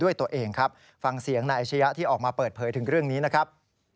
ตัวเองครับฟังเสียงนายอาชียะที่ออกมาเปิดเผยถึงเรื่องนี้นะครับ